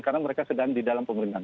karena mereka sedang di dalam pemerintahan